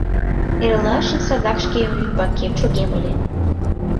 Эрлашым садак шке ӱмбакем чогем ыле...